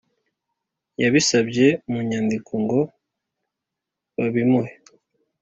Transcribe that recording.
yabisabye mu nyandiko ngo babimuhe